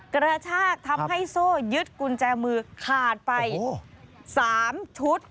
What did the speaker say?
กระชากทำให้โซ่ยึดกุญแจมือขาดไป๓ชุด